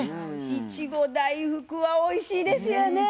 いちご大福はおいしいですよね。